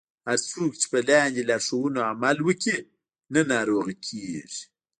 هر څوک چې په لاندې لارښوونو عمل وکړي نه ناروغه کیږي.